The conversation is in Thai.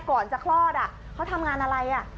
ก่อนจะคลอดเขาทำงานอะไร